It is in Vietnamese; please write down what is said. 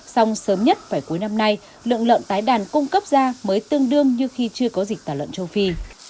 xong sớm nhất phải cuối năm nay lượng lợn tái đàn cung cấp ra mới tương đương như khi chưa có dịch tả lợn châu phi